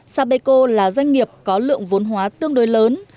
sapeco là doanh nghiệp có lượng vốn hóa tương đối lớn